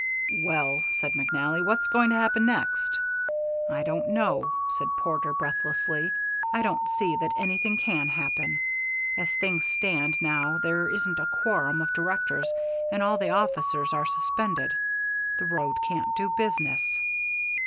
"Well," said McNally, "what's going to happen next?" "I don't know," said Porter, breathlessly. "I don't see that anything can happen. As things stand now there isn't a quorum of directors and all the officers are suspended. The road can't do business."